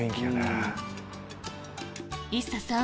ＩＳＳＡさん